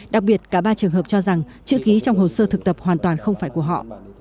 đặc biệt cả ba trường hợp cho rằng chữ ký trong hồ sơ thực tập hoàn toàn không phải của họ